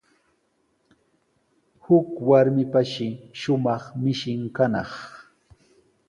Huk warmipashi shumaq mishin kanaq.